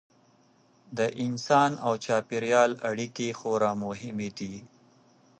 د انسان او چاپیریال اړیکې خورا مهمې دي.